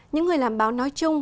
những người làm báo nói chung